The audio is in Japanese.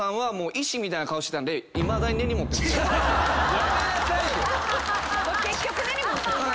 やめなさいよ！